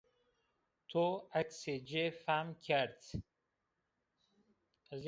To eksê ci fehm kerd